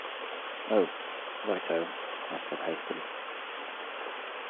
"Oh, right ho," I said hastily.